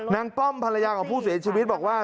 ป้อมภรรยาของผู้เสียชีวิตบอกว่า